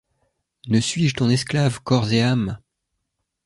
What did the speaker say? Ne suis-je ton esclave corps et âme?